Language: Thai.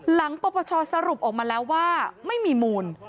ปปชสรุปออกมาแล้วว่าไม่มีมูล